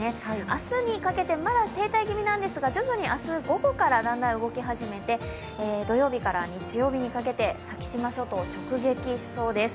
明日にかけてまだ停滞気味なんですけど、徐々に明日午後からだんだん動き始めて、土曜日から日曜日にかけて先島諸島を直撃しそうです。